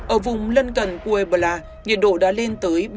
ở vùng lân cần cuebla nhiệt độ đã lên tới ba mươi năm hai độ c